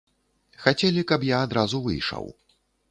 Хацелі, каб я адразу выйшаў.